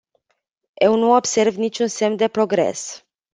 Eu nu observ niciun semn de progres.